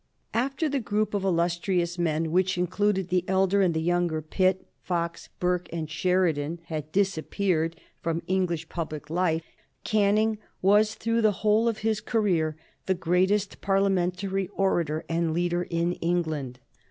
] After the group of illustrious men, which included the elder and the younger Pitt, Fox, Burke, and Sheridan, had disappeared from English public life, Canning was through the whole of his career the greatest Parliamentary orator and leader in England.